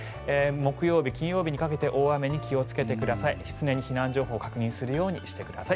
木曜日金曜日にかけて大雨に気をつけてください。